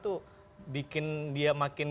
tuh bikin dia makin